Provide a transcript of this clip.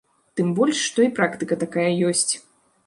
Тым больш, што і практыка такая ёсць.